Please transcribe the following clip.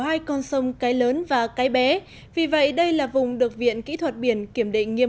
hai con sông cái lớn và cái bé vì vậy đây là vùng được viện kỹ thuật biển kiểm định nghiêm